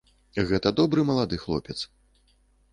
Гэта добры малады хлопец.